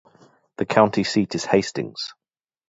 The county seat is Hastings.